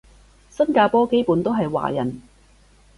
新加坡基本都係華人